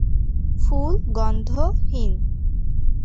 ফুল গন্ধ হীন।